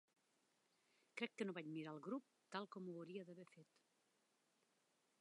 Crec que no vaig mirar el grup tant com ho hauria d'haver fet.